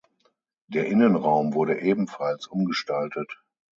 Der Innenraum wurde ebenfalls umgestaltet.